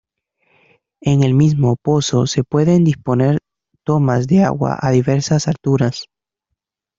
En el mismo pozo se pueden disponer tomas de agua a diversas alturas.